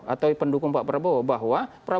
atau pendukung pak prabowo bahwa